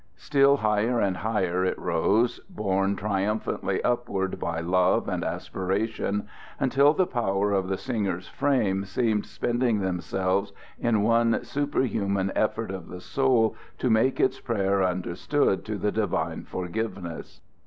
Still higher and higher it rose, borne triumphantly upward by love and aspiration, until the powers of the singer's frame seemed spending themselves in one superhuman effort of the soul to make its prayer understood to the divine forgiveness.